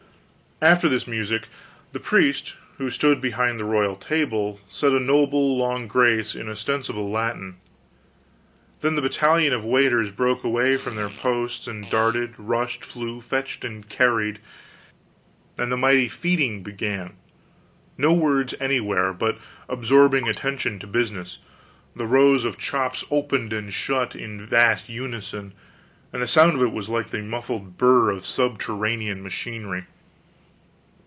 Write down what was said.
After this music, the priest who stood behind the royal table said a noble long grace in ostensible Latin. Then the battalion of waiters broke away from their posts, and darted, rushed, flew, fetched and carried, and the mighty feeding began; no words anywhere, but absorbing attention to business. The rows of chops opened and shut in vast unison, and the sound of it was like to the muffled burr of subterranean machinery.